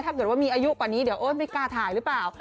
ถ้าเกิดว่ามีอายุกว่านี้เดี๋ยวโอ๊ยไม่กล้าถ่ายหรือเปล่า